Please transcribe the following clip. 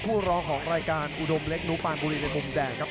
ร้องของรายการอุดมเล็กนุปานบุรีในมุมแดงครับ